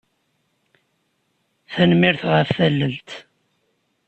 Tanemmirt ɣef tallelt.